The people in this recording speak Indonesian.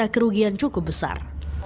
kedua kerugian cukup besar